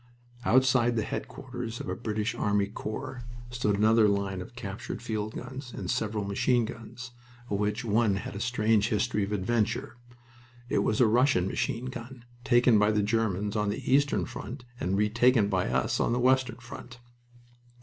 Outside the headquarters of a British army corps stood another line of captured field guns and several machine guns, of which one had a strange history of adventure. It was a Russian machine gun, taken by the Germans on the eastern front and retaken by us on the western front.